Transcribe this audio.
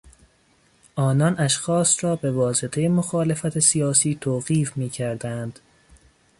آنان اشخاص را به واسطه مخالفت سیاسی توقیف میکردند.